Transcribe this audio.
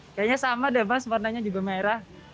kayaknya sama deh mas warnanya juga merah